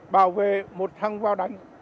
bảo vệ một thằng vào đánh